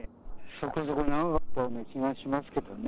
そこそこ長かった気がしますけどね。